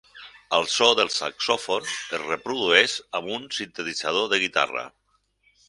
El so del saxòfon es reprodueix amb un sintetitzador de guitarra.